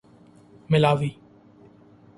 ملاوی